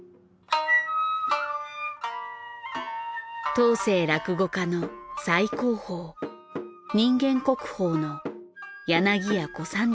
当世落語家の最高峰人間国宝の柳家小三治師匠。